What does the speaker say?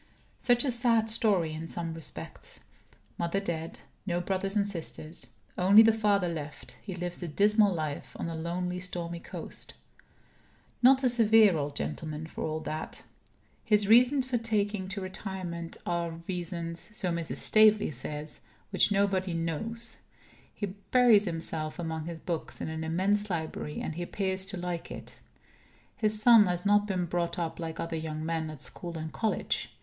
Such a sad story, in some respects. Mother dead; no brothers or sisters. Only the father left; he lives a dismal life on a lonely stormy coast. Not a severe old gentleman, for all that. His reasons for taking to retirement are reasons (so Mrs. Staveley says) which nobody knows. He buries himself among his books, in an immense library; and he appears to like it. His son has not been brought up like other young men, at school and college.